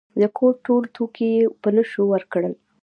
د کور ټول توکي یې په نشو ورکړل.